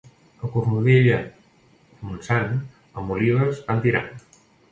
A Cornudella de Montsant amb olives van tirant.